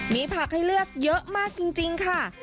มีผักให้เลือกเยอะมากจริงค่ะ